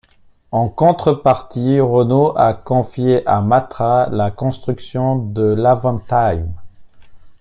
En contrepartie, Renault a confié à Matra la construction de l'Avantime.